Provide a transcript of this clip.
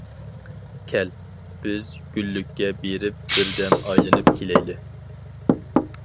كەل، بىز گۈللۈككە بېرىپ بىر دەم ئايلىنىپ كېلەيلى.